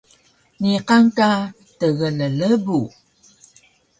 niqan ka tgllbu